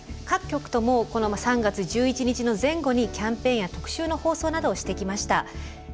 各局ともこの３月１１日の前後にキャンペーンや特集の放送などをしてきました。